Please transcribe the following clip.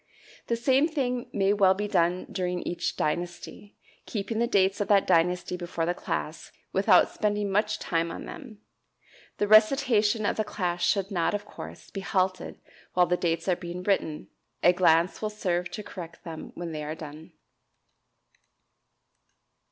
The same thing may well be done during each dynasty, keeping the dates of that dynasty before the class without spending much time on them. The recitation of the class should not, of course, be halted while the dates are being written; a glance will serve to correct them when they are done.